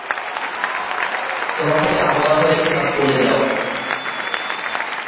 তোমাকে যা বলা হয়েছে তা ভুলে যাও।